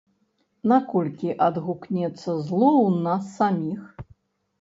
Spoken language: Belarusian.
Наколькі адгукнецца зло ў нас саміх?